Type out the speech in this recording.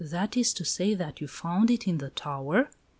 "That is to say that you found it in the tower?"